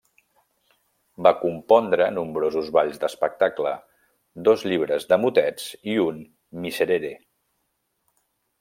Va compondre nombrosos balls d'espectacle, dos llibres de motets i un miserere.